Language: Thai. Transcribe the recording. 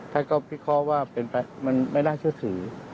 ท่านก็พิเคราะห์ว่าเป็นไปมันไม่น่าเชื่อถือ